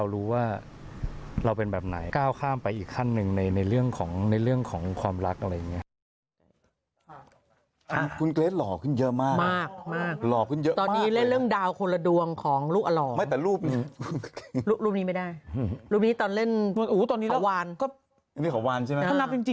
เราเป็นแบบไหนก้าวข้ามไปอีกขั้นหนึ่งในเรื่องของความรักอะไรอย่างนี้